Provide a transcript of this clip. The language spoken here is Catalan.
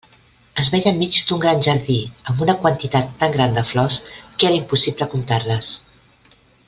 Es veia enmig d'un gran jardí amb una quantitat tan gran de flors que era impossible comptar-les.